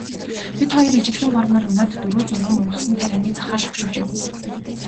Бид хоёр ижилхэн бор морь унаад дөрөө зурам ургасан тарианы захаар шогшуулж явна.